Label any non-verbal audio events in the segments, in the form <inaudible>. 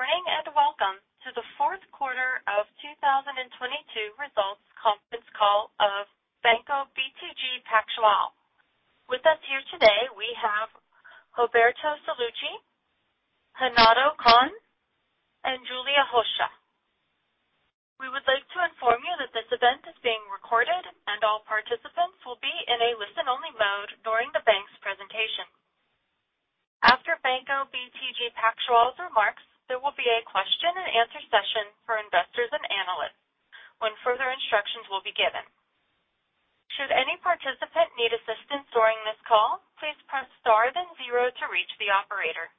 Good morning. Welcome to the Q4 of 2022 results conference call of Banco BTG Pactual. With us here today, we have Roberto Sallouti, Renato Cohn, and Julia Rocha. We would like to inform you that this event is being recorded and all participants will be in a listen-only mode during the bank's presentation. After Banco BTG Pactual's remarks, there will be a question and answer session for investors and analysts when further instructions will be given. Should any participant need assistance during this call, please press Star then 0 to reach the operator.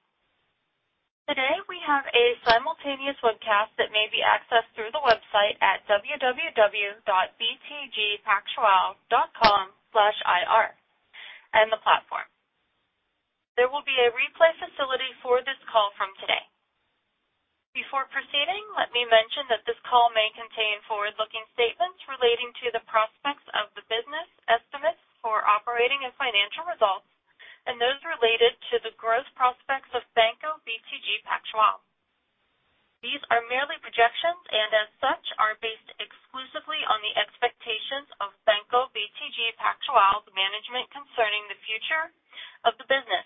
Today, we have a simultaneous webcast that may be accessed through the website at www.btgpactual.com/ir, and the platform. There will be a replay facility for this call from today. Before proceeding, let me mention that this call may contain forward-looking statements relating to the prospects of the business estimate for operating and financial results and those related to the growth prospects of Banco BTG Pactual. These are merely projections, and as such, are based exclusively on the expectations of Banco BTG Pactual's management concerning the future of the business.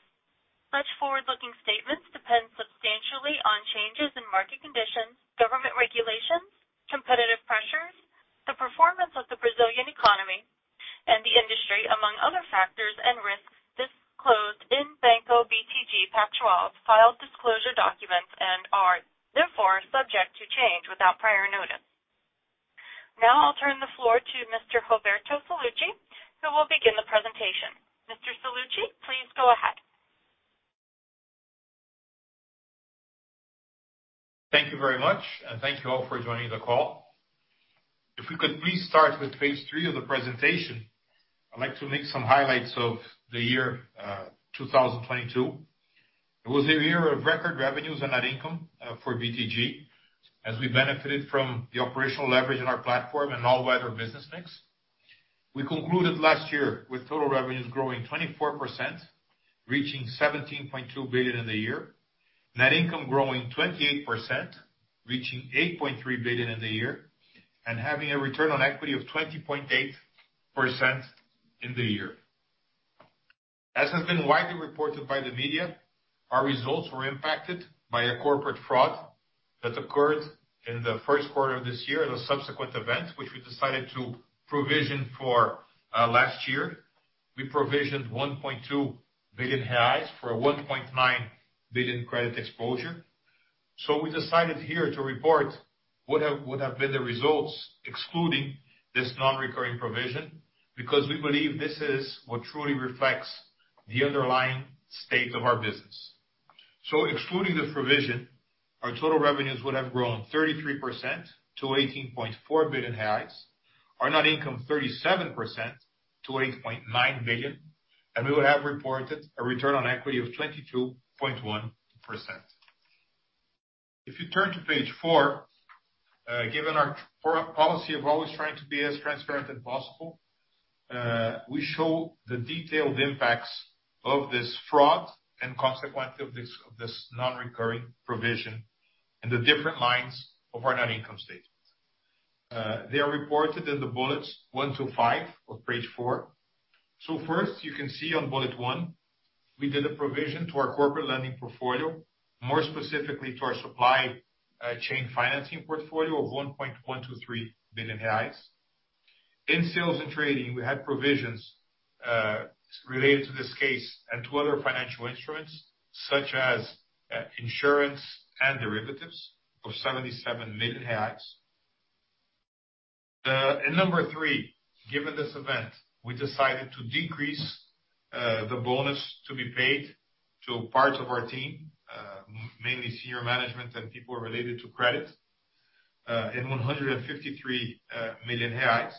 Such forward-looking statements depend substantially on changes in market conditions, government regulations, competitive pressures, the performance of the Brazilian economy and the industry, among other factors and risks disclosed in Banco BTG Pactual's filed disclosure documents and are therefore subject to change without prior notice. Now I'll turn the floor to Mr. Roberto Sallouti, who will begin the presentation. Mr. Sallouti, please go ahead. Thank you very much. Thank you all for joining the call. If we could please start with page three of the presentation, I'd like to make some highlights of the year, 2022. It was a year of record revenues and net income for BTG as we benefited from the operational leverage in our platform and all-weather business mix. We concluded last year with total revenues growing 24%, reaching 17.2 billion in the year. Net income growing 28%, reaching 8.3 billion in the year, and having a return on equity of 20.8% in the year. As has been widely reported by the media, our results were impacted by a corporate fraud that occurred in the Q1 of this year and a subsequent event, which we decided to provision for last year. We provisioned 1.2 billion reais for a 1.9 billion credit exposure. We decided here to report what have been the results excluding this non-recurring provision because we believe this is what truly reflects the underlying state of our business. Excluding this provision, our total revenues would have grown 33% to 18.4 billion. Our net income, 37% to 8.9 billion, and we would have reported a return on equity of 22.1%. If you turn to page four, given our policy of always trying to be as transparent as possible, we show the detailed impacts of this fraud and consequently of this non-recurring provision in the different lines of our net income statements. They are reported in the bullets 1 to 5 of page four. First, you can see on bullet one, we did a provision to our corporate lending portfolio, more specifically to our supply chain financing portfolio of 1.123 billion reais. In sales and trading, we had provisions related to this case and to other financial instruments such as insurance and derivatives of 77 million. In number three, given this event, we decided to decrease the bonus to be paid to parts of our team, mainly senior management and people related to credit, in 153 million reais.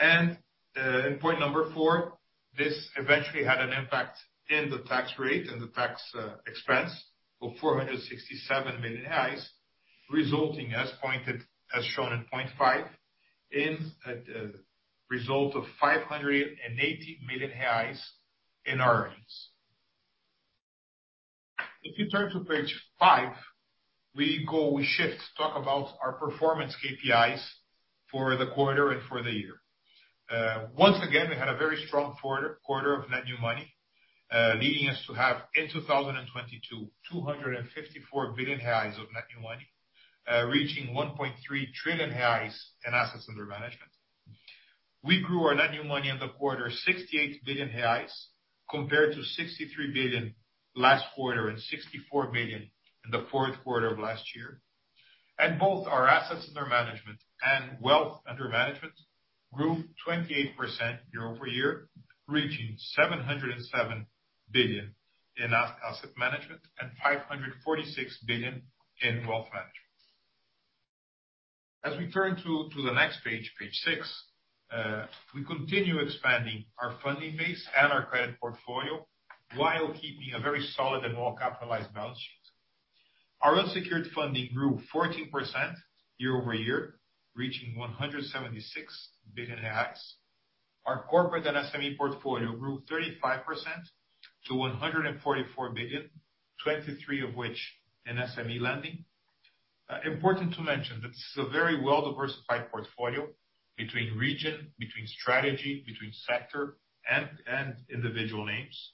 In point number four, this eventually had an impact in the tax rate and the tax expense of 467 million reais, resulting as pointed, as shown in point five, in a result of 580 million reais in earnings. If you turn to page five, we go, we shift to talk about our performance KPIs for the quarter and for the year. Once again, we had a very strong quarter of net new money, leading us to have in 2022, 254 billion reais of net new money, reaching 1.3 trillion reais in assets under management. We grew our net new money in the quarter 68 billion reais compared to 63 billion last quarter and 64 billion in the Q4 of last year. Both our assets under management and wealth under management grew 28% year-over-year, reaching 707 billion in asset management and 546 billion in wealth management. As we turn to the next page six, we continue expanding our funding base and our credit portfolio while keeping a very solid and well-capitalized balance sheet. Our unsecured funding grew 14% year-over-year, reaching 176 billion reais. Our corporate and SME portfolio grew 35% to 144 billion, 23 of which in SME lending. Important to mention that this is a very well-diversified portfolio between region, between strategy, between sector and individual names.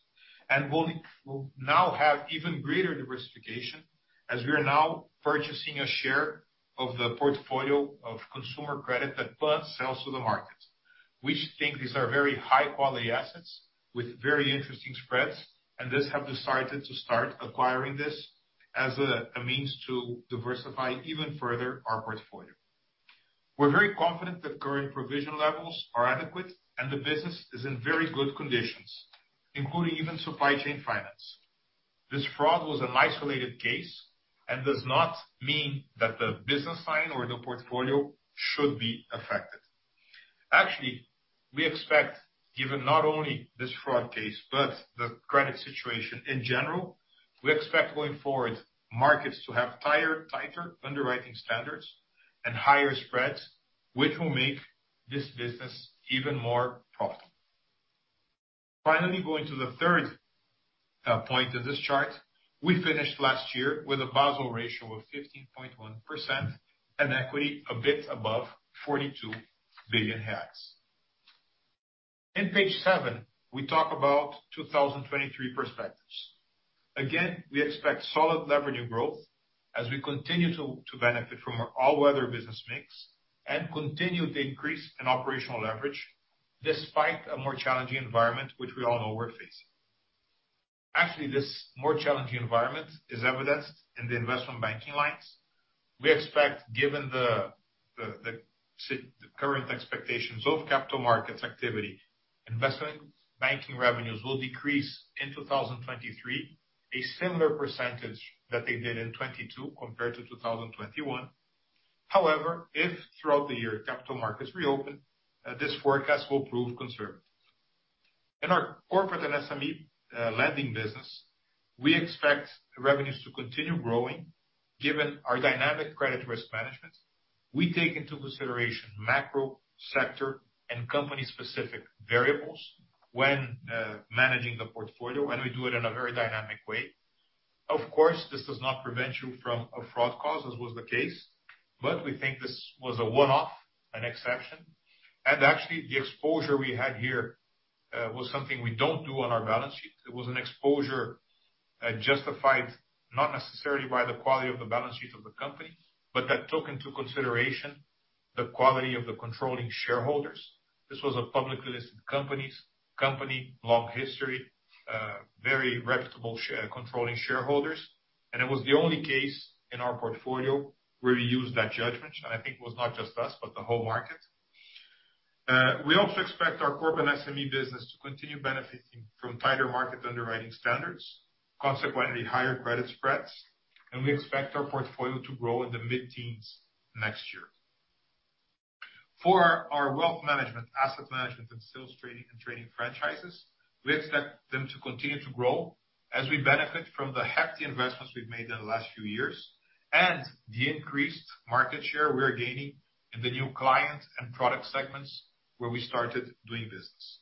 We'll now have even greater diversification as we are now purchasing a share of the portfolio of consumer credit that Bank sells to the market. We think these are very high quality assets with very interesting spreads, and thus have decided to start acquiring this as a means to diversify even further our portfolio. We're very confident that current provision levels are adequate, and the business is in very good conditions, including even supply chain finance. This fraud was an isolated case and does not mean that the business line or the portfolio should be affected. Actually, we expect given not only this fraud case but the credit situation in general, we expect going forward markets to have tighter underwriting standards and higher spreads, which will make this business even more profitable. Finally, going to the third point of this chart. We finished last year with a Basel ratio of 15.1% and equity a bit above 42 billion. In page seven, we talk about 2023 perspectives. We expect solid revenue growth as we continue to benefit from our all-weather business mix, and continue to increase in operational leverage despite a more challenging environment, which we all know we're facing. This more challenging environment is evidenced in the investment banking lines. We expect, given the current expectations of capital markets activity, investment banking revenues will decrease in 2023, a similar percentage that they did in 22 compared to 2021. If throughout the year capital markets reopen, this forecast will prove conservative. In our corporate and SME lending business, we expect revenues to continue growing given our dynamic credit risk management. We take into consideration macro, sector, and company specific variables when managing the portfolio, and we do it in a very dynamic way. Of course, this does not prevent you from a fraud cause, as was the case, but we think this was a one-off, an exception. Actually, the exposure we had here, was something we don't do on our balance sheet. It was an exposure, justified not necessarily by the quality of the balance sheet of the company, but that took into consideration the quality of the controlling shareholders. This was a publicly listed company, long history, very reputable controlling shareholders. It was the only case in our portfolio where we used that judgment. I think it was not just us, but the whole market. We also expect our corporate SME business to continue benefiting from tighter market underwriting standards, consequently higher credit spreads. We expect our portfolio to grow in the mid-teens next year. For our wealth management, asset management, and sales, trading and trading franchises, we expect them to continue to grow as we benefit from the hefty investments we've made in the last few years, and the increased market share we're gaining in the new client and product segments where we started doing business.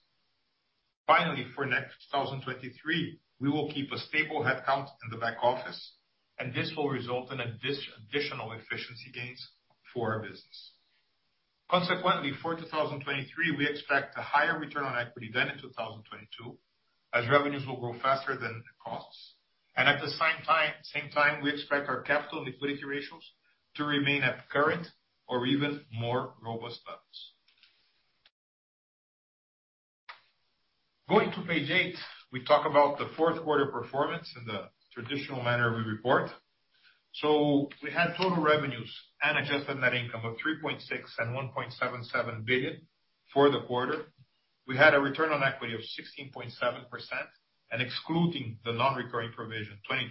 Finally, for 2023, we will keep a stable headcount in the back office, and this will result in additional efficiency gains for our business. Consequently, for 2023, we expect a higher return on equity than in 2022, as revenues will grow faster than the costs. At the same time, we expect our capital and liquidity ratios to remain at current or even more robust levels. Going to page eight, we talk about the Q4 performance in the traditional manner we report. We had total revenues and adjusted net income of 3.6 billion and 1.77 billion for the quarter. We had a return on equity of 16.7%, and excluding the non-recurring provision, 22%,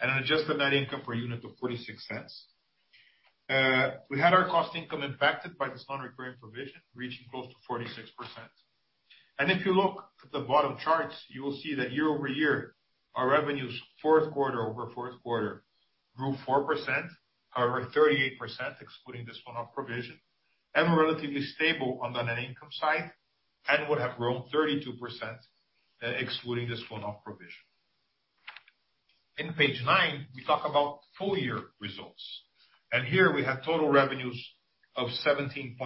and an adjusted net income per unit of 0.46. We had our cost income impacted by this non-recurring provision, reaching close to 46%. If you look at the bottom charts, you will see that year-over-year, our revenues Q4 over Q4 grew 4%. However, 38% excluding this one-off provision, and we're relatively stable on the net income side and would have grown 32% excluding this one-off provision. On page nine, we talk about full year results. Here we have total revenues of 17.25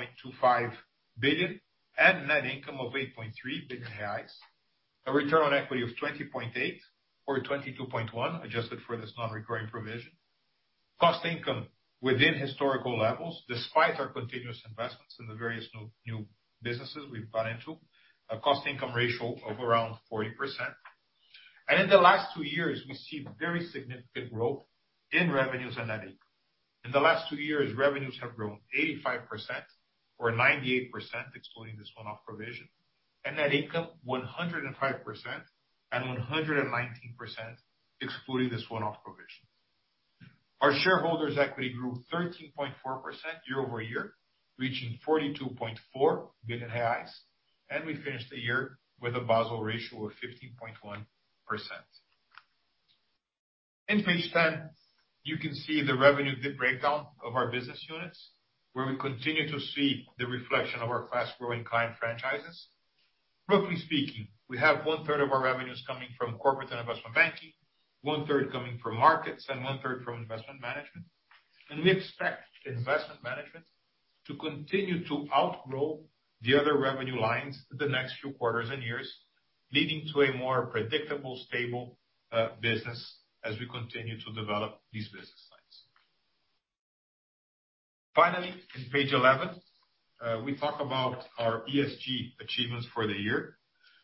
billion and net income of 8.3 billion reais. A return on equity of 20.8% or 22.1% adjusted for this non-recurring provision. Cost income within historical levels, despite our continuous investments in the various new businesses we've got into, a cost income ratio of around 40%. In the last 2 years, we see very significant growth in revenues and net income. In the last 2 years, revenues have grown 85% or 98% excluding this one-off provision. Net income, 105% and 119% excluding this one-off provision. Our shareholders equity grew 13.4% year-over-year, reaching 42.4 billion reais, and we finished the year with a Basel ratio of 15.1%. In page 10, you can see the revenue breakdown of our business units, where we continue to see the reflection of our fast-growing client franchises. Roughly speaking, we have one-third of our revenues coming from corporate and investment banking, one-third coming from markets, and one-third from investment management. We expect investment management to continue to outgrow the other revenue lines the next few quarters and years, leading to a more predictable, stable business as we continue to develop these business lines. Finally, in page 11, we talk about our ESG achievements for the year.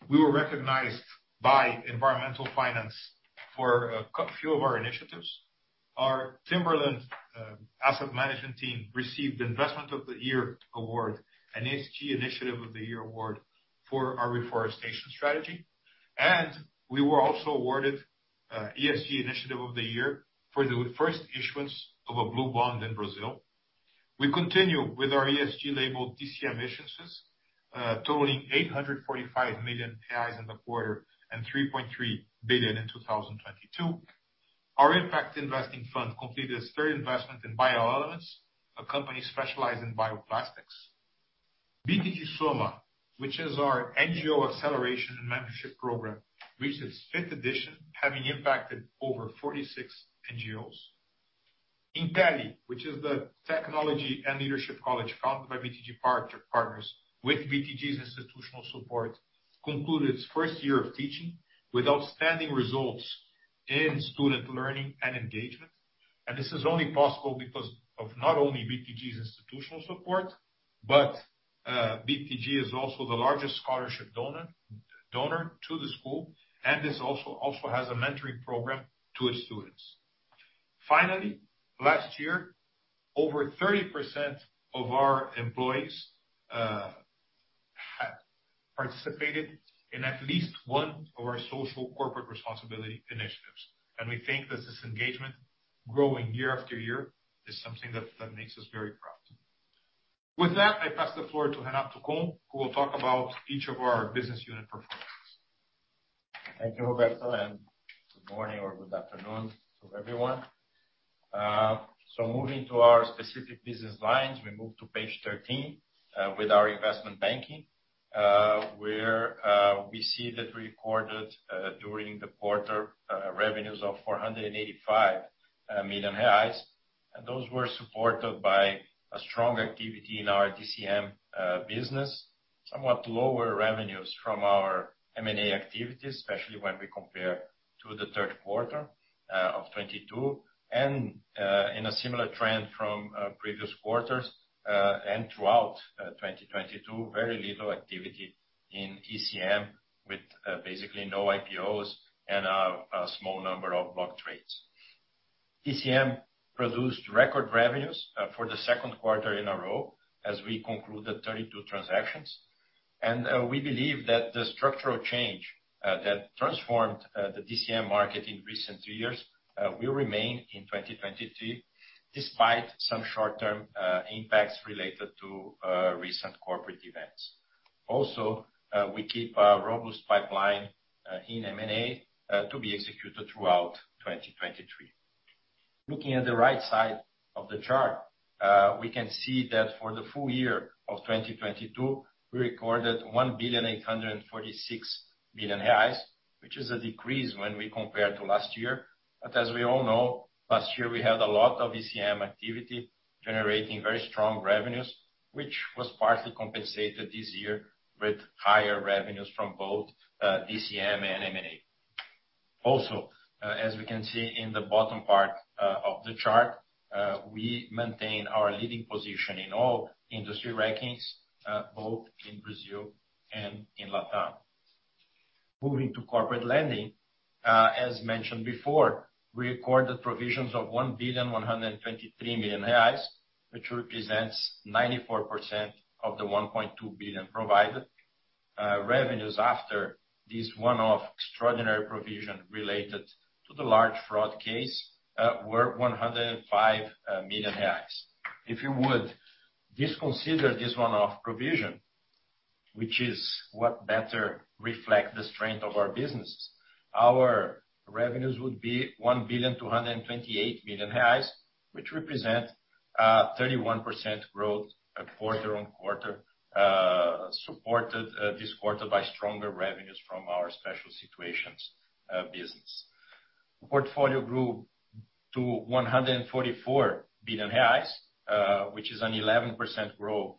We were recognized by Environmental Finance for a few of our initiatives. Our Timberland asset management team received Investment of the Year award and ESG Initiative of the Year award for our reforestation strategy. We were also awarded ESG Initiative of the Year for the first issuance of a blue bond in Brazil. We continue with our ESG labeled DCM issuances, totaling 845 million reais in the quarter, and 3.3 billion in 2022. Our impact investing fund completed its third investment in Bioelements, a company specialized in bioplastics. BTG Soma, which is our NGO acceleration and membership program, reached its fifth edition, having impacted over 46 NGOs. Inteli, which is the technology and leadership college founded by BTG Partners with BTG's institutional support, concluded its first year of teaching with outstanding results in student learning and engagement. This is only possible because of not only BTG's institutional support, but BTG is also the largest scholarship donor to the school, and this also has a mentoring program to its students. Finally, last year, over 30% of our employees participated in at least one of our social corporate responsibility initiatives. We think that this engagement growing year after year is something that makes us very proud. With that, I pass the floor to Renato Cohn, who will talk about each of our business unit performance. Thank you, Roberto, good morning or good afternoon to everyone. Moving to our specific business lines, we move to page 13, with our investment banking, where we see that we recorded, during the quarter, revenues of 485 million reais. Those were supported by a strong activity in our DCM business. Somewhat lower revenues from our M&A activities, especially when we compare to the Q3 of 2022. In a similar trend from previous quarters, and throughout 2022, very little activity in ECM with basically no IPOs and a small number of block trades. ECM produced record revenues for the Q2 in a row as we concluded 32 transactions. We believe that the structural change that transformed the DCM market in recent years will remain in 2023, despite some short-term impacts related to recent corporate events. Also, we keep a robust pipeline in M&A to be executed throughout 2023. Looking at the right side of the chart, we can see that for the full year of 2022, we recorded 847 billion reais, which is a decrease when we compare to last year. As we all know, last year we had a lot of ECM activity generating very strong revenues, which was partly compensated this year with higher revenues from both DCM and M&A. As we can see in the bottom part of the chart, we maintain our leading position in all industry rankings, both in Brazil and in Latam. Moving to corporate lending, as mentioned before, we recorded provisions of 1.123 billion, which represents 94% of the 1.2 billion provided. Revenues after this one-off extraordinary provision related to the large fraud case, were 105 million reais. If you would disconsider this one-off provision, which is what better reflect the strength of our businesses, our revenues would be 1.228 billion, which represent 31% growth quarter-on-quarter, supported this quarter by stronger revenues from our special situations business. The portfolio grew to 144 billion reais, which is an 11% growth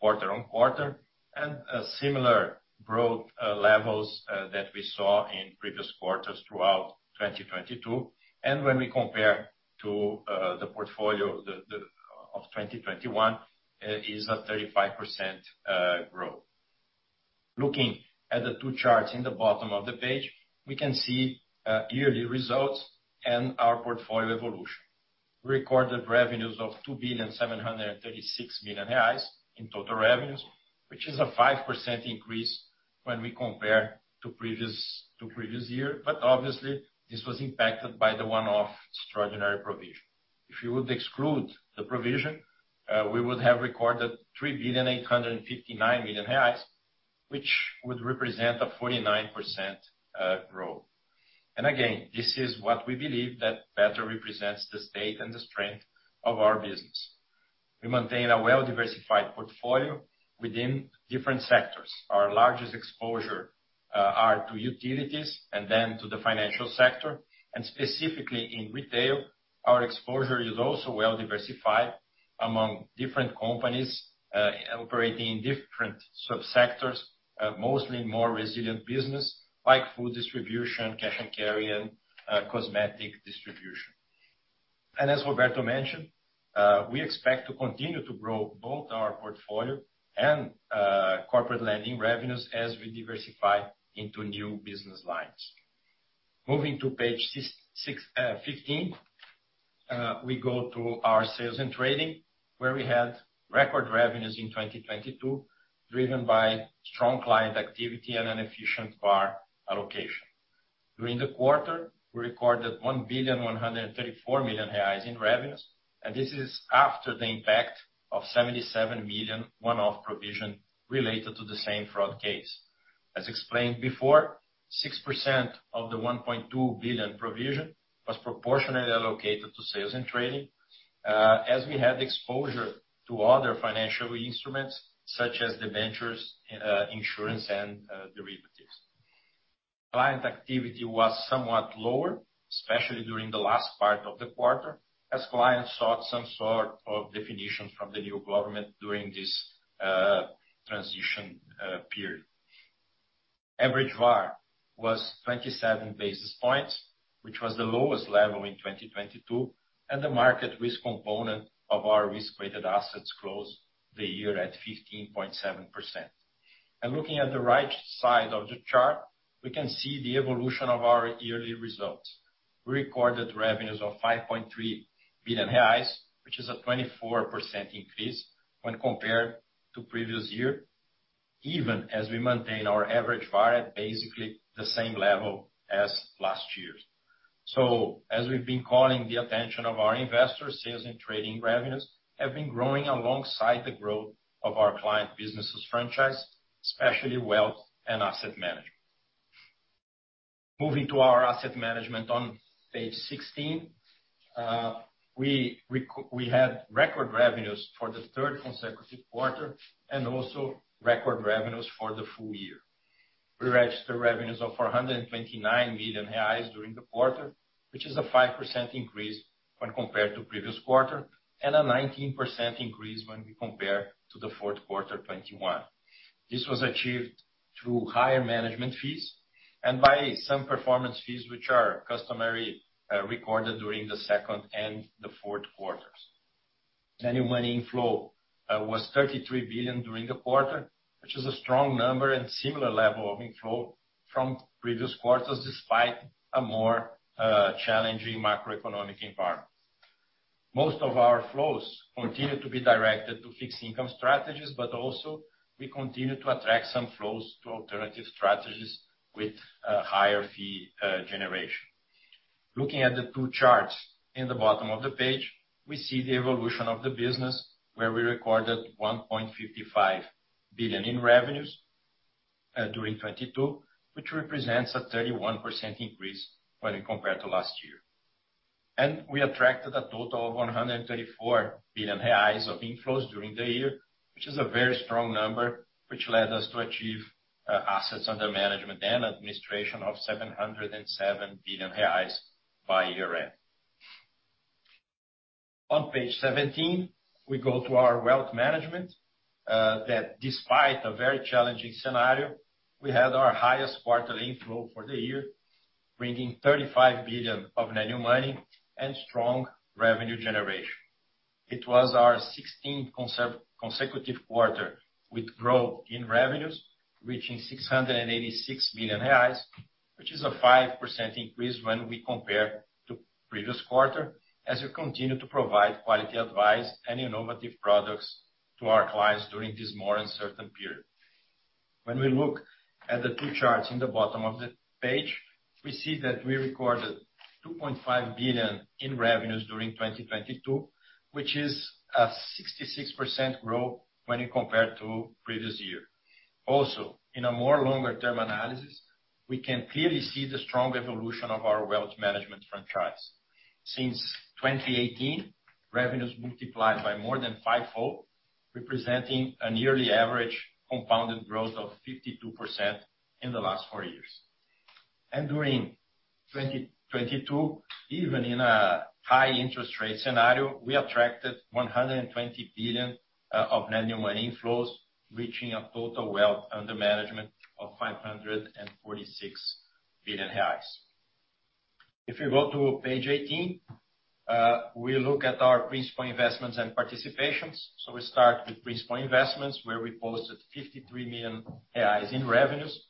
quarter-on-quarter, and similar growth levels that we saw in previous quarters throughout 2022. When we compare to the portfolio of 2021, is a 35% growth. Looking at the two charts in the bottom of the page, we can see yearly results and our portfolio evolution. Recorded revenues of 2 billion 736 million in total revenues, which is a 5% increase when we compare to previous year. Obviously, this was impacted by the one-off extraordinary provision. If you would exclude the provision, we would have recorded 3 billion reais 859 million, which would represent a 49% growth. Again, this is what we believe that better represents the state and the strength of our business. We maintain a well-diversified portfolio within different sectors. Our largest exposure are to utilities and then to the financial sector, and specifically in retail, our exposure is also well-diversified among different companies operating in different sub-sectors, mostly more resilient business like food distribution, cash and carry, and cosmetic distribution. As Roberto mentioned, we expect to continue to grow both our portfolio and corporate lending revenues as we diversify into new business lines. Moving to page six, 15, we go to our sales and trading, where we had record revenues in 2022, driven by strong client activity and an efficient VaR allocation. During the quarter, we recorded 1.134 billion in revenues. This is after the impact of 77 million one-off provision related to the same fraud case. As explained before, 6% of the 1.2 billion provision was proportionately allocated to sales and trading, as we had exposure to other financial instruments, such as the ventures, insurance and derivatives. Client activity was somewhat lower, especially during the last part of the quarter, as clients sought some sort of definition from the new government during this transition period. Average VaR was 27 basis points, which was the lowest level in 2022. The market risk component of our risk-weighted assets closed the year at 15.7%. Looking at the right side of the chart, we can see the evolution of our yearly results. We recorded revenues of 5.3 billion reais, which is a 24% increase when compared to previous year, even as we maintain our average VaR at basically the same level as last year's. As we've been calling the attention of our investors, sales and trading revenues have been growing alongside the growth of our client businesses franchise, especially wealth and asset management. To our asset management on page 16, we had record revenues for the third consecutive quarter and also record revenues for the full year. We registered revenues of 429 million reais during the quarter, which is a 5% increase when compared to previous quarter, and a 19% increase when we compare to the Q4 2021. This was achieved through higher management fees and by some performance fees which are customarily recorded during the second and the Q4. Annual money inflow was 33 billion during the quarter, which is a strong number and similar level of inflow from previous quarters, despite a more challenging macroeconomic environment. Most of our flows continue to be directed to fixed income strategies, but also we continue to attract some flows to alternative strategies with higher fee generation. Looking at the two charts in the bottom of the page, we see the evolution of the business, where we recorded 1.55 billion in revenues during 2022, which represents a 31% increase when compared to last year. We attracted a total of 134 billion reais of inflows during the year, which is a very strong number, which led us to achieve assets under management and administration of 707 billion reais by year-end. On page 17, we go to our wealth management that despite a very challenging scenario, we had our highest quarterly inflow for the year, bringing 35 billion of annual money and strong revenue generation. It was our 16th consecutive quarter with growth in revenues reaching 686 million reais, which is a 5% increase when we compare to previous quarter, as we continue to provide quality advice and innovative products to our clients during this more uncertain period. When we look at the two charts in the bottom of the page, we see that we recorded 2.5 billion in revenues during 2022, which is a 66% growth when compared to previous year. In a more longer term analysis, we can clearly see the strong evolution of our wealth management franchise. Since 2018, revenues multiplied by more than five-fold, representing a yearly average compounded growth of 52% in the last four years. During 2022, even in a high interest rate scenario, we attracted 120 billion of annual money inflows, reaching a total wealth under management of 546 billion reais. If you go to page 18, we look at our principal investments and participations. We start with principal investments, where we posted 53 million reais in revenues.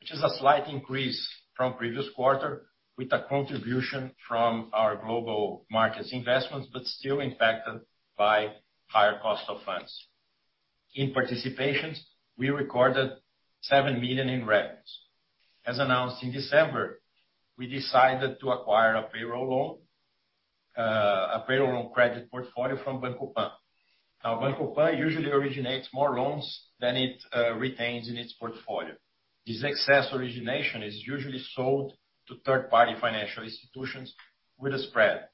Which is a slight increase from previous quarter with a contribution from our global markets investments, but still impacted by higher cost of funds. In participations, we recorded 7 million in revenues. As announced in December, we decided to acquire a payroll loan credit portfolio from Banco Pan. Banco Pan usually originates more loans than it retains in its portfolio. This excess origination is usually sold to third party financial institutions with a spread.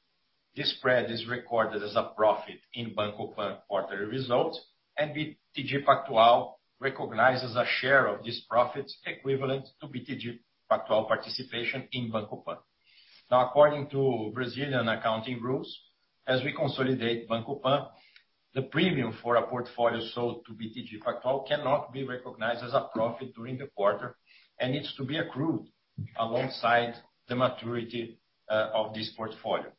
This spread is recorded as a profit in Banco Pan quarterly results, and BTG Pactual recognizes a share of this profit equivalent to BTG Pactual participation in Banco Pan. According to Brazilian accounting rules, as we consolidate Banco Pan, the premium for a portfolio sold to BTG Pactual cannot be recognized as a profit during the quarter, and needs to be accrued alongside the maturity of this portfolio.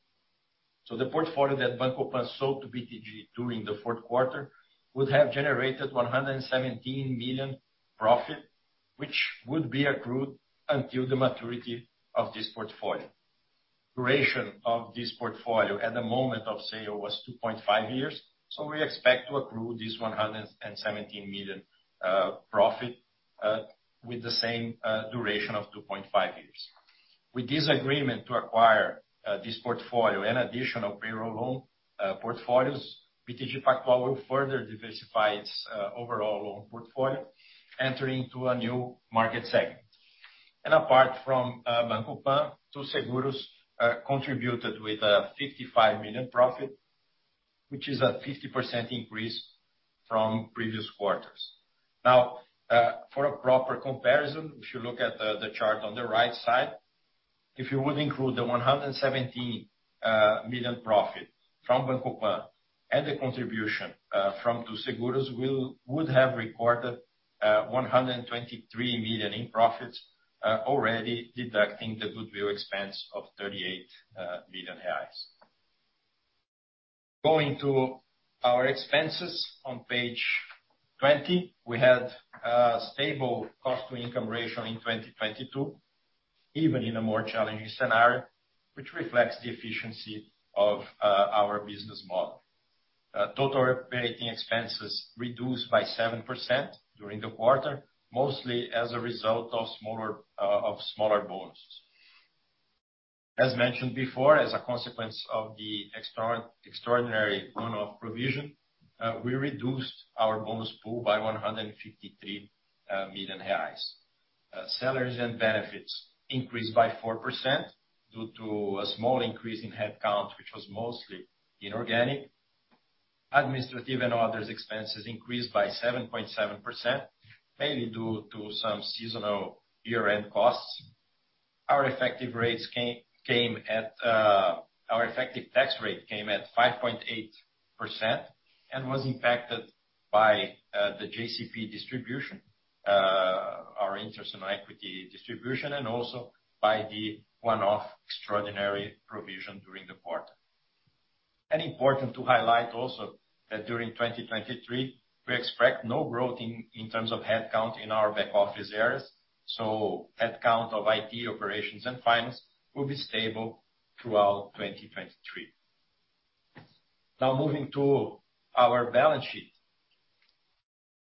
The portfolio that Banco Pan sold to BTG during the Q4 would have generated 117 million profit, which would be accrued until the maturity of this portfolio. Duration of this portfolio at the moment of sale was two and a half year years, we expect to accrue this 117 million profit with the same duration of two and a half years. With this agreement to acquire this portfolio and additional payroll loan portfolios, BTG Pactual will further diversify its overall loan portfolio, entering into a new market segment. Apart from Banco Pan, Too Seguros contributed with a 55 million profit, which is a 50% increase from previous quarters. For a proper comparison, if you look at the chart on the right side, if you would include the 117 million profit from Banco Pan and the contribution from Too Seguros, we would have recorded 123 million in profits, already deducting the goodwill expense of 38 million reais. Going to our expenses on page 20, we had a stable cost to income ratio in 2022, even in a more challenging scenario, which reflects the efficiency of our business model. Total operating expenses reduced by 7% during the quarter, mostly as a result of smaller bonuses. As mentioned before, as a consequence of the extraordinary one-off provision, we reduced our bonus pool by 153 million reais. Salaries and benefits increased by 4% due to a small increase in head count, which was mostly inorganic. Administrative and other expenses increased by 7.7%, mainly due to some seasonal year-end costs. Our effective tax rate came at 5.8% and was impacted by the JCP distribution, our interest and equity distribution, and also by the one-off extraordinary provision during the quarter. Important to highlight also that during 2023, we expect no growth in terms of head count in our back office areas, so head count of IT operations and finance will be stable throughout 2023. Moving to our balance sheet,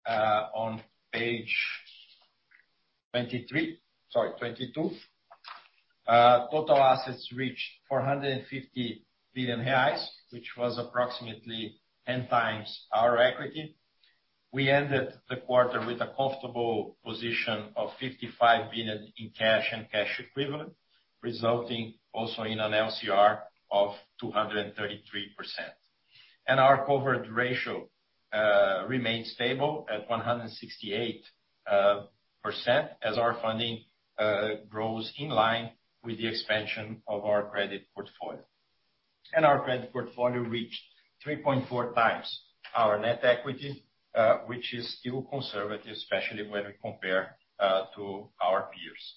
on page 23... Sorry, 22. Total assets reached 450 billion reais, which was approximately 10 times our equity. We ended the quarter with a comfortable position of 55 billion in cash and cash equivalent, resulting also in an LCR of 233%. Our coverage ratio remains stable at 168% as our funding grows in line with the expansion of our credit portfolio. Our credit portfolio reached 3.4 times our net equity, which is still conservative, especially when we compare to our peers.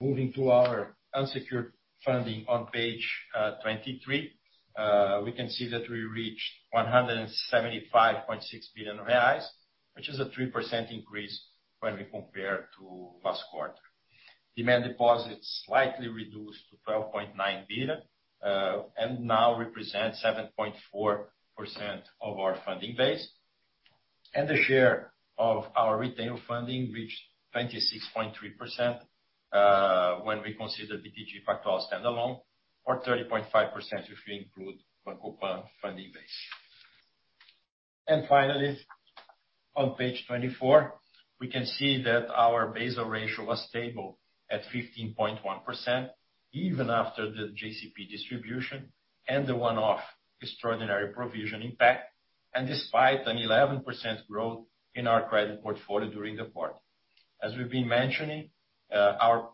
Moving to our unsecured funding on page 23, we can see that we reached 175.6 billion reais, which is a 3% increase when we compare to last quarter. Demand deposits slightly reduced to 12.9 billion. Now represent 7.4% of our funding base. The share of our retail funding reached 26.3% when we consider BTG Pactual standalone, or 30.5% if you include Banco Pan funding base. Finally, on page 24, we can see that our Basel ratio was stable at 15.1%, even after the JCP distribution and the one-off extraordinary provision impact, and despite an 11% growth in our credit portfolio during the quarter. As we've been mentioning, our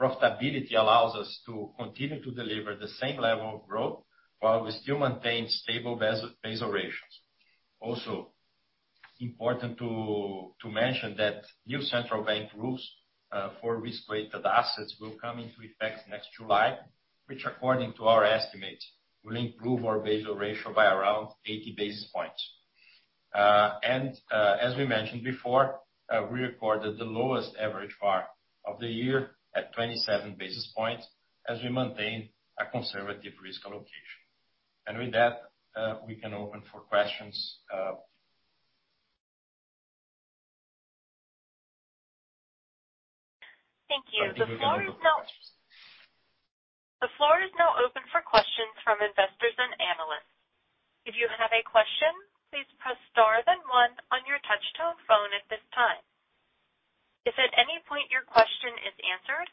profitability allows us to continue to deliver the same level of growth while we still maintain stable Basel ratios. Also important to mention that new central bank rules for risk-weighted assets will come into effect next July. Which according to our estimates will improve our Basel ratio by around 80 basis points. As we mentioned before, we recorded the lowest average VaR of the year at 27 basis points as we maintain a conservative risk allocation. With that, we can open for questions. Thank you. The floor is now- I'll be moving over for questions. <inaudible> The floor is now open for questions from investors and analysts. If you have a question, please press star then one on your touchtone phone at this time. If at any point your question is answered,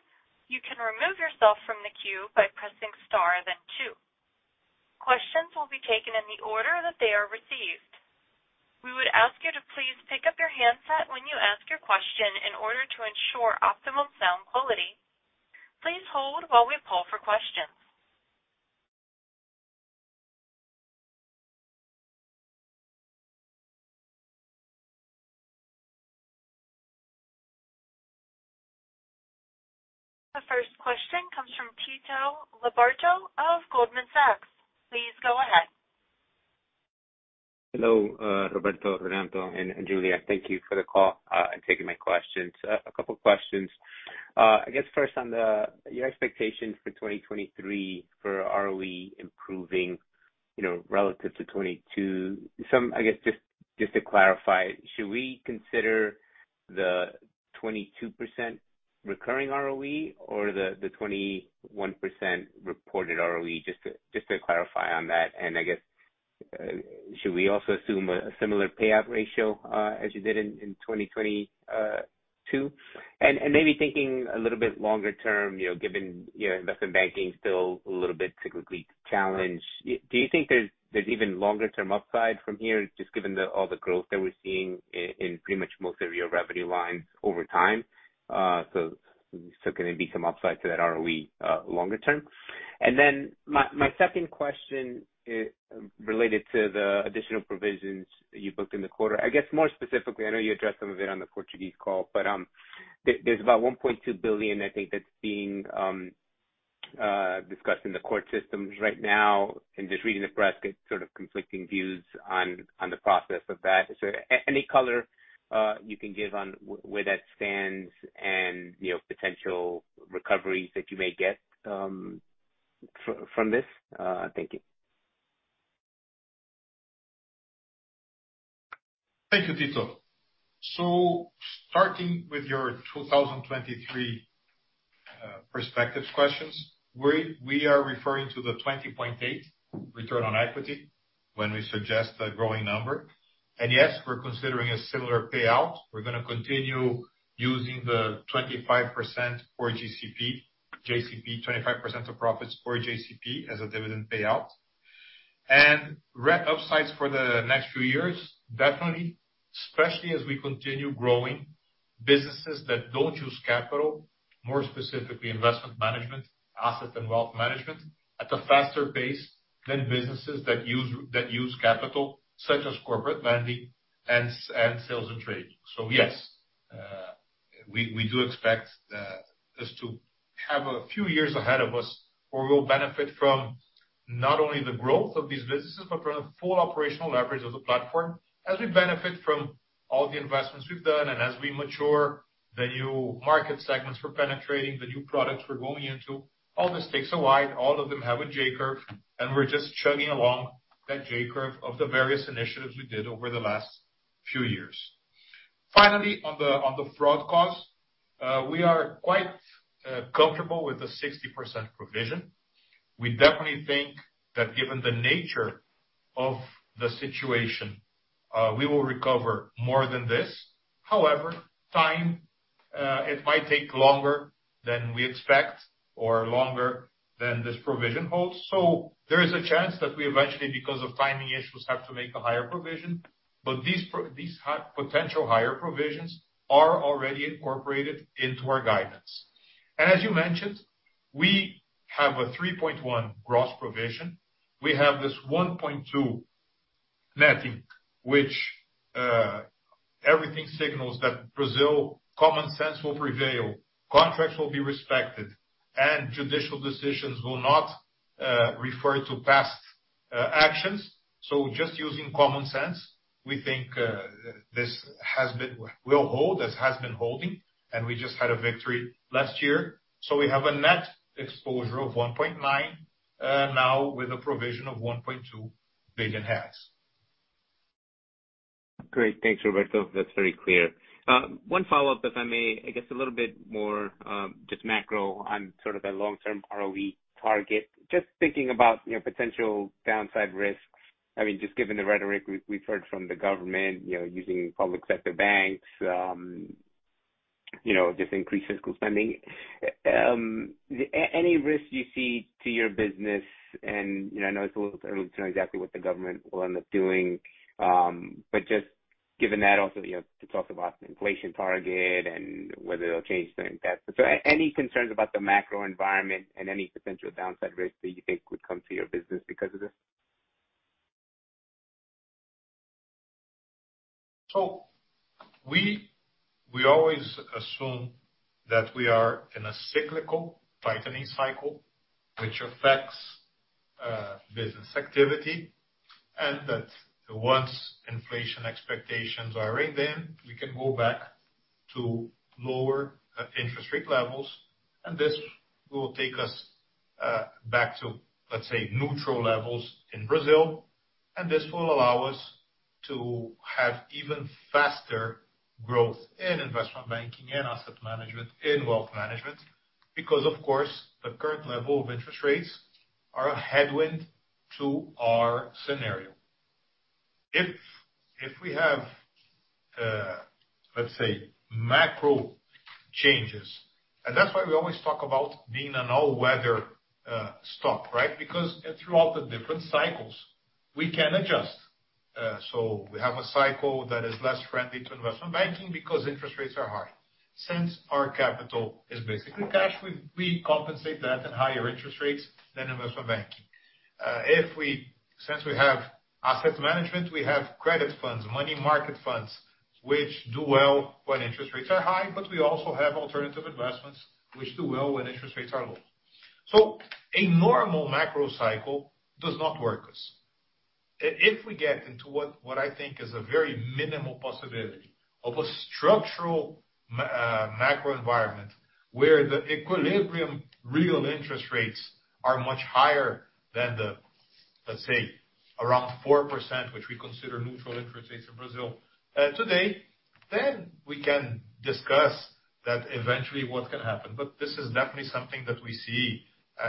you can remove yourself from the queue by pressing star then two. Questions will be taken in the order that they are received. We would ask you to please pick up your handset when you ask your question in order to ensure optimum sound quality. Please hold while we poll for questions. The first question comes from Tito Labarta of Goldman Sachs. Please go ahead. Hello, Roberto, Renato and Julia. Thank you for the call and taking my questions. A couple questions. I guess first on your expectations for 2023 for ROE improving, you know, relative to 2022. I guess just to clarify, should we consider the 22% recurring ROE or the 21% reported ROE? Just to clarify on that. I guess should we also assume a similar payout ratio as you did in 2022? Maybe thinking a little bit longer term, you know, given your investment banking still a little bit typically challenged, do you think there's even longer term upside from here just given all the growth that we're seeing in pretty much most of your revenue lines over time? Can there be some upside to that ROE, longer term? My second question, related to the additional provisions you booked in the quarter. I guess more specifically, I know you addressed some of it on the Portuguese call, but there's about 1.2 billion I think that's being discussed in the court systems right now. Just reading the press gets sort of conflicting views on the process of that. Is there any color you can give on where that stands and, you know, potential recoveries that you may get from this? Thank you. Thank you, Tito. Starting with your 2023 perspectives questions, we are referring to the 20.8% return on equity when we suggest a growing number. Yes, we're considering a similar payout. We're gonna continue using the 25% for JCP, 25% of profits for JCP as a dividend payout. Re-upsides for the next few years, definitely, especially as we continue growing businesses that don't use capital, more specifically investment management, asset and wealth management, at a faster pace than businesses that use capital, such as corporate lending and sales and trading. Yes, we do expect us to have a few years ahead of us where we'll benefit from not only the growth of these businesses, but from the full operational leverage of the platform as we benefit from all the investments we've done and as we mature the new market segments we're penetrating, the new products we're going into, all this takes a while, all of them have a J-curve, and we're just chugging along that J-curve of the various initiatives we did over the last few years. Finally, on the fraud cost, we are quite comfortable with the 60% provision. We definitely think that given the nature of the situation, we will recover more than this. However, time, it might take longer than we expect or longer than this provision holds. There is a chance that we eventually, because of timing issues, have to make a higher provision. These potential higher provisions are already incorporated into our guidance. As you mentioned, we have a 3.1 billion gross provision. We have this 1.2 netting, which everything signals that Brazil common sense will prevail, contracts will be respected, and judicial decisions will not refer to past actions. Just using common sense, we think this will hold, this has been holding, and we just had a victory last year. We have a net exposure of 1.9 now with a provision of 1.2 billion. Great. Thanks, Roberto. That's very clear. One follow-up, if I may, I guess a little bit more, just macro on sort of the long-term ROE target. Just thinking about, you know, potential downside risks. I mean, just given the rhetoric we've heard from the government, you know, using public sector banks, you know, just increased fiscal spending. Any risks you see to your business and, you know, I know it's a little early to know exactly what the government will end up doing, but just given that also, you know, the talk about inflation target and whether it'll change the impact. Any concerns about the macro environment and any potential downside risks that you think would come to your business because of this? We always assume that we are in a cyclical tightening cycle, which affects business activity, and that once inflation expectations are read in, we can go back to lower interest rate levels, and this will take us back to, let's say, neutral levels in Brazil, and this will allow us to have even faster growth in investment banking and asset management, in wealth management, because of course, the current level of interest rates are a headwind to our scenario. If we have, let's say, macro changes, and that's why we always talk about being an all-weather stock, right? Throughout the different cycles, we can adjust. We have a cycle that is less friendly to investment banking because interest rates are high. Since our capital is basically cash, we compensate that in higher interest rates than investment banking. Since we have asset management, we have credit funds, money market funds, which do well when interest rates are high, but we also have alternative investments which do well when interest rates are low. A normal macro cycle does not work. If, if we get into what I think is a very minimal possibility of a structural macro environment, where the equilibrium real interest rates are much higher than the, let's say, around 4%, which we consider neutral interest rates in Brazil today, then we can discuss that eventually what can happen. This is definitely something that we see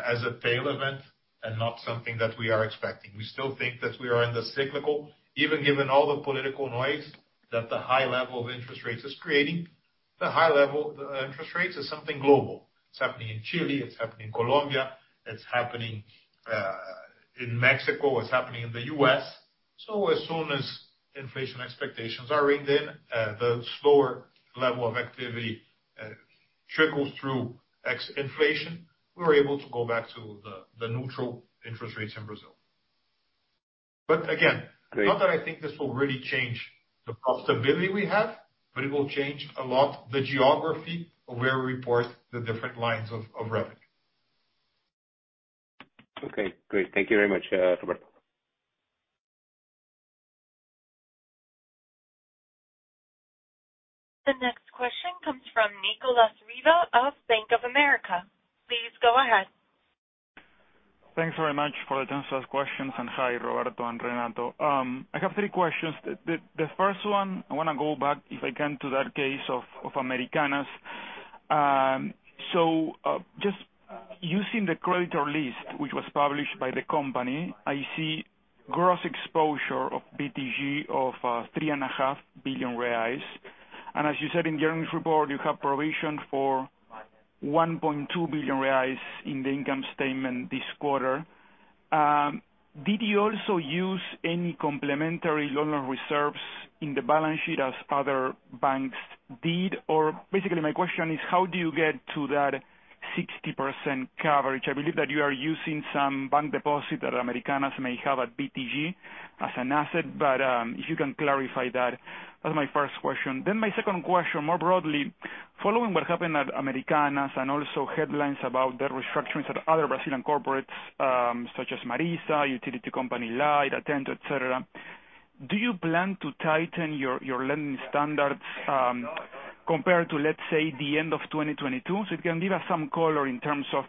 as a tail event and not something that we are expecting. We still think that we are in the cyclical. Even given all the political noise that the high level of interest rates is creating, the high level interest rates is something global. It's happening in Chile, it's happening in Colombia, it's happening in Mexico, it's happening in the U.S. As soon as inflation expectations are reined in, the slower level of activity, trickles through inflation, we're able to go back to the neutral interest rates in Brazil. Again, not that I think this will really change the profitability we have, but it will change a lot the geography of where we report the different lines of revenue. Okay, great. Thank you very much, Roberto. The next question comes from Nicolas Riva of Bank of America. Please go ahead. Thanks very much for the chance to ask questions. Hi, Roberto and Renato. I have 3 questions. The first one, I wanna go back, if I can, to that case of Americanas. Just using the creditor list, which was published by the company, I see gross exposure of BTG of 3.5 billion reais. As you said in the earnings report, you have provision for 1.2 billion reais in the income statement this quarter. Did you also use any complementary loan reserves in the balance sheet as other banks did? Basically, my question is: How do you get to that 60% coverage? I believe that you are using some bank deposit that Americanas may have at BTG as an asset. If you can clarify that's my first question. My second question, more broadly, following what happened at Americanas and also headlines about the restructurings of other Brazilian corporates, such as Marisa, utility company Light, Atento, et cetera, do you plan to tighten your lending standards compared to, let's say, the end of 2022? If you can give us some color in terms of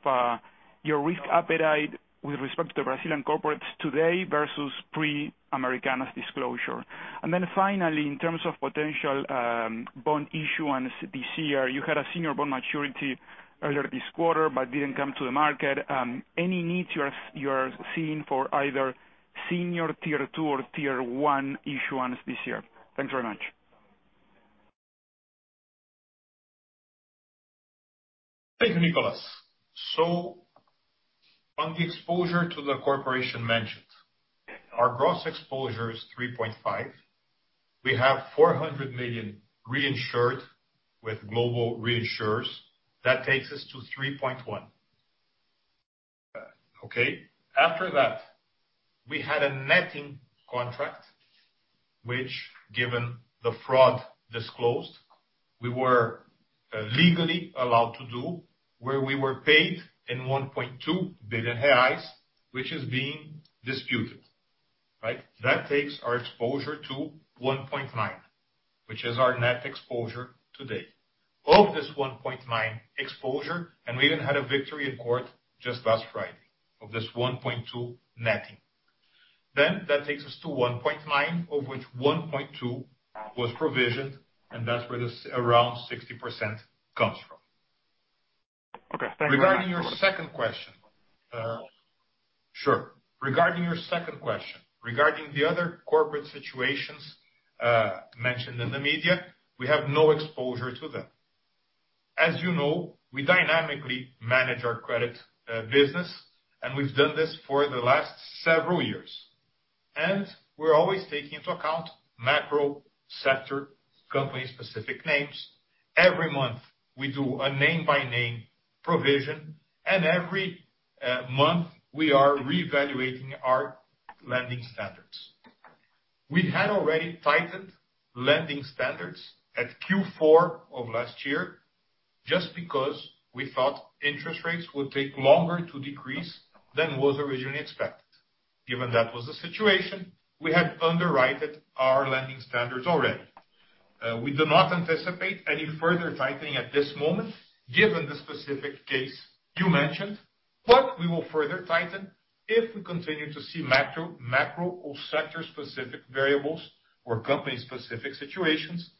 your risk appetite with respect to Brazilian corporates today versus pre-Americanas disclosure. Finally, in terms of potential bond issuance this year, you had a senior bond maturity earlier this quarter but didn't come to the market. Any needs you're seeing for either senior Tier 2 or Tier 1 issuance this year? Thanks very much. Thank you, Nicolas. On the exposure to the corporation mentioned, our gross exposure is 3.5 billion. We have 400 million reinsured with global reinsurers. That takes us to 3.1 billion. Okay? After that, we had a netting contract, which, given the fraud disclosed, we were legally allowed to do, where we were paid in 1.2 billion reais, which is being disputed. Right? That takes our exposure to 1.9 billion, which is our net exposure today. Of this 1.9 billion exposure, and we even had a victory in court just last Friday, of this 1.2 billion netting. That takes us to 1.9 billion, of which 1.2 billion was provisioned, and that's where this around 60% comes from. Okay. Thank you very much, Roberto. Regarding your second question, sure. Regarding your second question, regarding the other corporate situations, mentioned in the media, we have no exposure to them. As you know, we dynamically manage our credit, business, and we've done this for the last several years. We're always taking into account macro sector-company specific names. Every month we do a name by name provision, and every month we are reevaluating our lending standards. We had already tightened lending standards at Q4 of last year just because we thought interest rates would take longer to decrease than was originally expected. Given that was the situation, we had underwrited our lending standards already. We do not anticipate any further tightening at this moment, given the specific case you mentioned, but we will further tighten if we continue to see macro or sector specific variables or company specific situations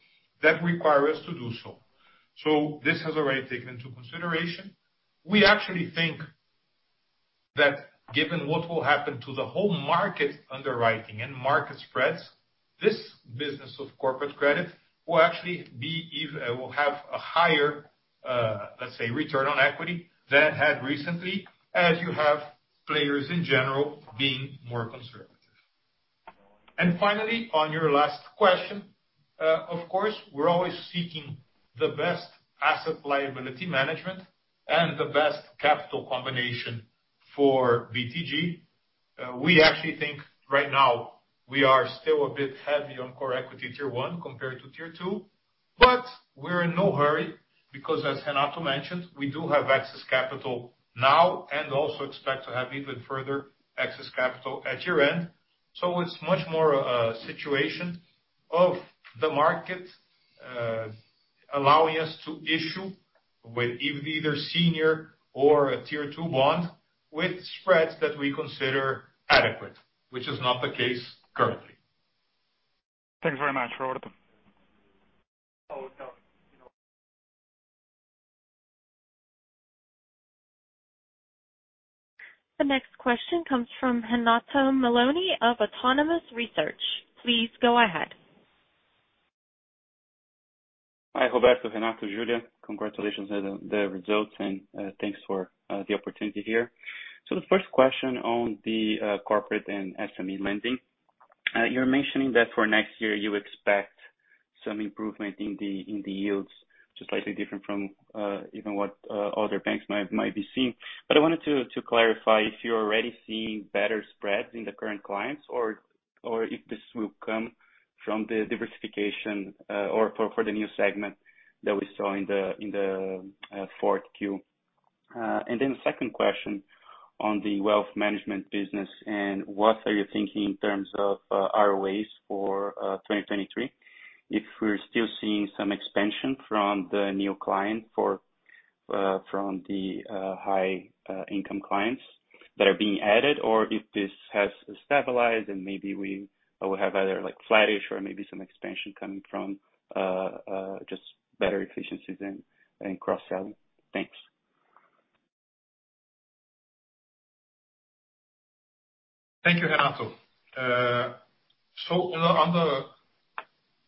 that require us to do so. This has already taken into consideration. We actually think that given what will happen to the whole market underwriting and market spreads, this business of corporate credit will actually have a higher, let's say, return on equity than it had recently, as you have players in general being more conservative. Finally, on your last question, of course, we're always seeking the best asset liability management and the best capital combination for BTG. We actually think right now we are still a bit heavy on Common Equity Tier 1 compared to Tier 2, but we're in no hurry because as Renato mentioned, we do have excess capital now and also expect to have even further excess capital at year-end. It's much more a situation of the market allowing us to issue with either senior or a Tier 2 bond with spreads that we consider adequate, which is not the case currently. Thanks very much, Roberto. Oh, no. The next question comes from Renato Meloni of Autonomous Research. Please go ahead. Hi, Roberto, Renato, Julia. Congratulations on the results and thanks for the opportunity here. The first question on the corporate and SME lending. You're mentioning that for next year you expect some improvement in the yields, which is slightly different from even what other banks might be seeing. I wanted to clarify if you're already seeing better spreads in the current clients or if this will come from the diversification or for the new segment that we saw in the fourth Q. Second question on the wealth management business and what are you thinking in terms of ROAs for 2023, if we're still seeing some expansion from the new client for from the high income clients that are being added, or if this has stabilized and maybe we will have either like flattish or maybe some expansion coming from just better efficiencies and cross-selling. Thanks. Thank you, Renato.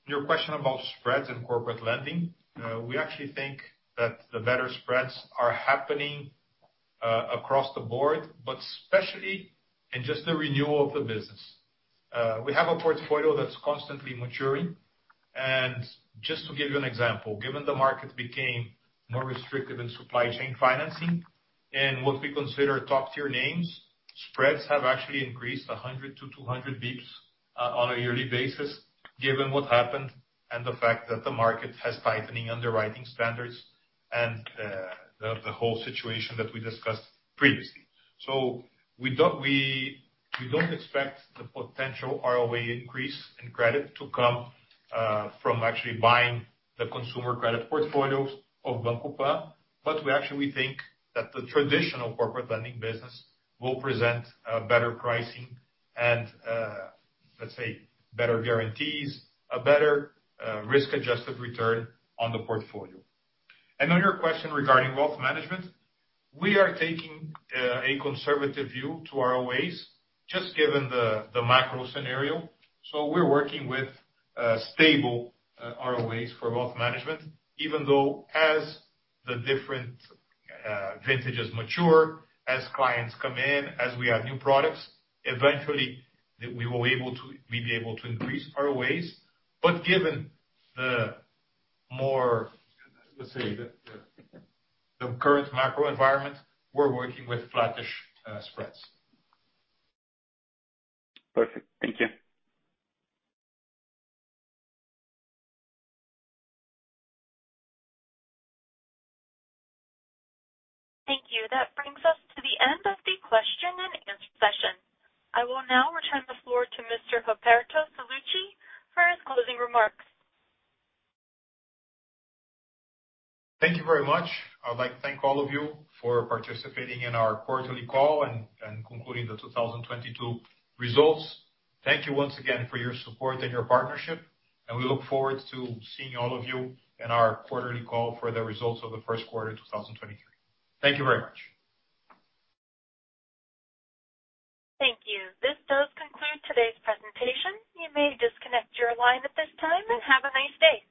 Your question about spreads and corporate lending, we actually think that the better spreads are happening across the board, but especially in just the renewal of the business. We have a portfolio that's constantly maturing. Just to give you an example, given the market became more restrictive in supply chain financing and what we consider top tier names, spreads have actually increased 100-200 basis points on a yearly basis, given what happened and the fact that the market has tightening underwriting standards and the whole situation that we discussed previously. We don't expect the potential ROA increase in credit to come from actually buying the consumer credit portfolios of Banco Pan, but we actually think that the traditional corporate lending business will present a better pricing and, let's say, better guarantees, a better risk-adjusted return on the portfolio. On your question regarding wealth management, we are taking a conservative view to ROAs, just given the macro scenario. We're working with stable ROAs for wealth management, even though as the different vintages mature, as clients come in, as we add new products, eventually we'll be able to increase ROAs. Given the more, let's say, the current macro environment, we're working with flattish spreads. Perfect. Thank you. Thank you. That brings us to the end of the question and answer session. I will now return the floor to Mr. Roberto Sallouti for his closing remarks. Thank you very much. I would like to thank all of you for participating in our quarterly call and concluding the 2022 results. Thank you once again for your support and your partnership. We look forward to seeing all of you in our quarterly call for the results of the Q1 2023. Thank you very much. Thank you. This does conclude today's presentation. You may disconnect your line at this time, and have a nice day.